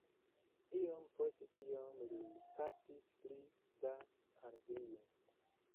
Iom post iom li kaptis pli da Anglio.